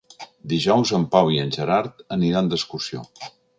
Dijous en Pau i en Gerard aniran d'excursió.